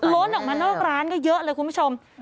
ล้นออกมานอกร้านก็เยอะเลยคุณผู้ชม